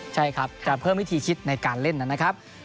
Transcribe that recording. ใช่ครับจะเพิ่มวิธีคิดในการเล่นนะครับ